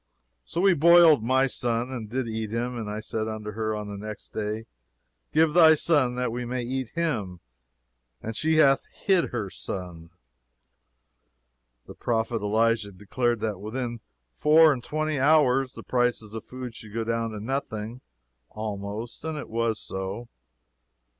So we boiled my son, and did eat him; and I said unto her on the next day, Give thy son that we may eat him; and she hath hid her son." The prophet Elisha declared that within four and twenty hours the prices of food should go down to nothing, almost, and it was so.